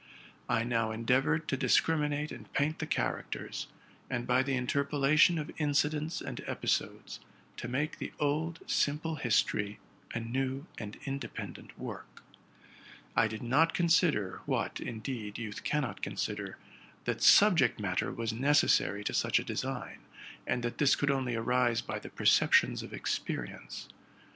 I now endeavored to discriminate and paint the characters, and, by the interpolation of incidents and episodes, to make the old simple history a new and inde pendent work. I did not consider, what, indeed, youth cannot consider, that subject matter was necessary to such a design, and that this could only arise by the perceptions of experience.